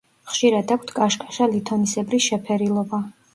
ხშირად აქვთ კაშკაშა ლითონისებრი შეფერილობა.